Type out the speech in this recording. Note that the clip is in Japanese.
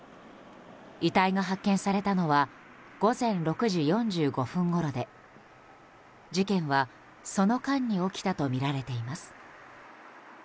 遺体が発見されたのは午前６時４５分ごろで事件は、その間に起きたとみられています。